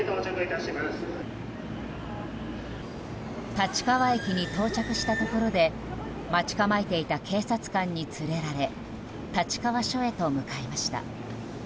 立川駅に到着したところで待ち構えていた警察官に連れられ立川署へと向かいました。